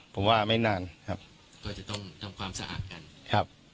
ผมว่าไม่นานครับก็จะต้องทำความสะอาดกันครับ